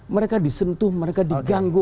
mereka disentuh mereka diganggu